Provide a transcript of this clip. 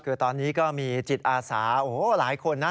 คือตอนนี้ก็มีจิตอาสาโอ้โหหลายคนนะ